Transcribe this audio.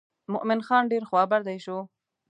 مومن خان ډېر خوا بډی شو.